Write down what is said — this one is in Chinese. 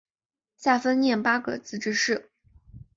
下分廿八个自治市。